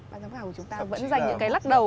ban giám khảo của chúng ta vẫn dành những cái lắc đầu